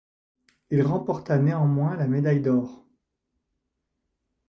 Il remporta néanmoins la médaille d'or.